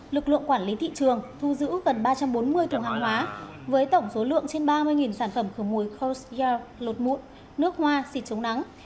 lực lượng quản lý thị trường thu giữ gần ba trăm bốn mươi thùng hàng hóa với tổng số lượng trên ba mươi sản phẩm khử mùi coast yard lột mụn nước hoa xịt chống nắng